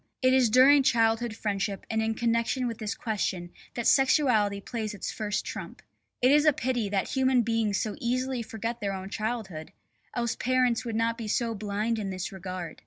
It is during childhood friendship and in connection with this question that sexuality plays its first trump. It is a pity that human beings so easily forget their own childhood, else parents would not be so blind in this regard.